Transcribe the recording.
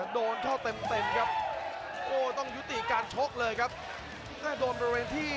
โดนเท่าเต็มครับต้องยุติการโชคเลยครับต้องระเวนที่